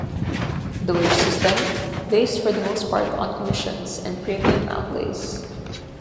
The wage-system based for the most part on commissions and premium outlays.